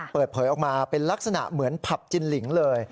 เปิดเผยออกมาเป็นลักษณะเหมือนผับจินลิงเลย